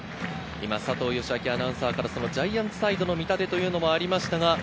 佐藤アナウンサーから、ジャイアンツサイドの見立てというのもありました。